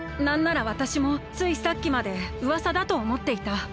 なんならわたしもついさっきまでうわさだとおもっていた。